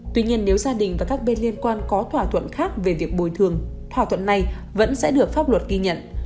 tuy nhiên nếu gia đình và các bên liên quan có thỏa thuận khác về việc bồi thường thỏa thuận này vẫn sẽ được pháp luật ghi nhận